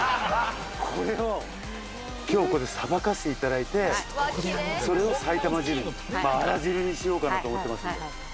これを今日ここでさばかせて頂いてそれを埼玉汁にあら汁にしようかなと思ってますんで。